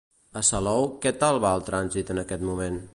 Per Salou, què tal va el trànsit en aquest moment?